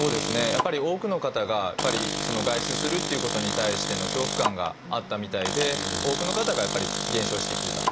やっぱり多くの方が外出するっていうことに対しての恐怖感があったみたいで多くの方がやっぱり減少してきてた。